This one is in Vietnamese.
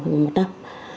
hàng nghìn một năm